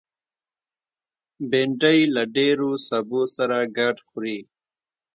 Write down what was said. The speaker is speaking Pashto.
بېنډۍ له ډېرو سبو سره ګډ خوري